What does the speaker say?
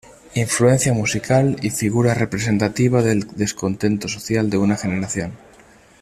Influencia musical y figura representativa del descontento social de una generación.